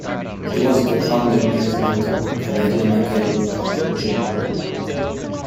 He was the founding President of the Canadian Academy of Engineering.